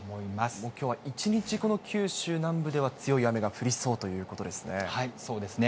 もうきょうは、一日、九州南部では、強い雨が降りそうということですね。